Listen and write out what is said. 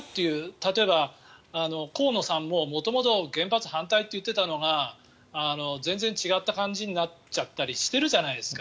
例えば、河野さんも元々、原発反対と言っていたのが全然違った感じになっちゃったりしてるじゃないですか。